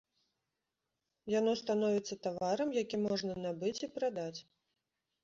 Яно становіцца таварам, які можна набыць і прадаць.